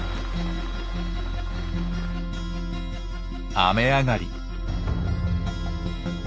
雨上がり。